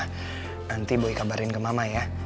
nanti boy kabarin ke mama ya